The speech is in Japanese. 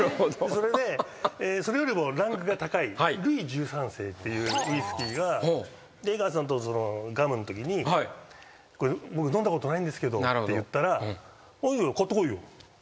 それでそれよりもランクが高いルイ１３世っていうウイスキーが江川さんとグアムのときに「これ僕飲んだことないんですけど」って言ったら。